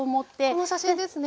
この写真ですね。